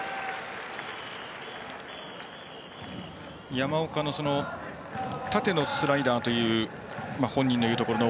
山岡の縦のスライダー本人が言うところの。